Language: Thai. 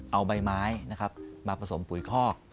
เอาใบไม้มาผสมปุ่ยคอก